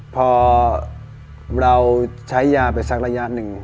พอเราใช้ยาไปสักระยะหนึ่ง